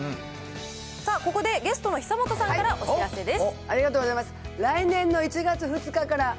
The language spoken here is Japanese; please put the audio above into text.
さあここでゲストの久本さんから、お知らせです。